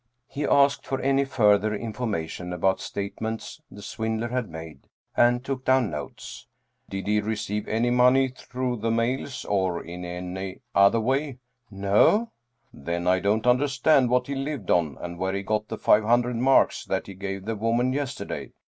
He asked for any further information about statements the swindler had made, and took down notes. " Did he re ceive any money through the mails or in any other way ?"" No." " Then I don't understand what he lived on and where he got the five hundred marks that he gave the woman yesterday.